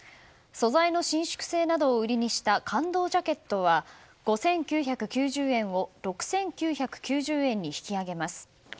素材の伸縮性などを売りにした感動ジャケットは５９９０円を６９９０円に引き上げます。